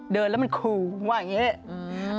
เดินแล้วมันขู่มึงว่าอย่างนี้